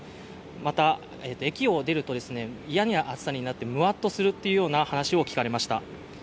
また、駅を出ると嫌な暑さになって、むわっとするという話も聞かれました。